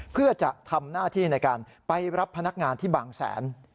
เพื่อจะทำหน้าที่ในการไปรับพนักงานที่บางแสน